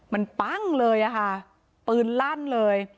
มันปั้งเลยอะค่ะปืนลั่นเลย